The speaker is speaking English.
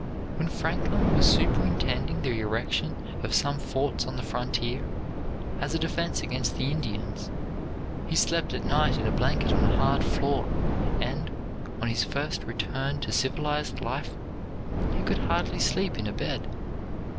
When Franklin was superintending the erection of some forts on the frontier, as a defense against the Indians, he slept at night in a blanket on a hard floor; and, on his first return to civilized life, he could hardly sleep in a bed.